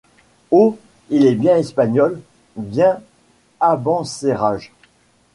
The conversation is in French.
Oh ! il est bien Espagnol, bien Abencerrage.